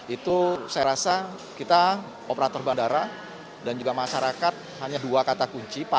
itu saya rasa kita operator bandara dan juga masyarakat hanya dua kata kunci